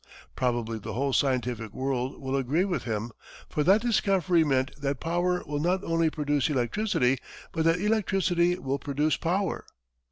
Probably the whole scientific world will agree with him, for that discovery meant that power will not only produce electricity, but that electricity will produce power.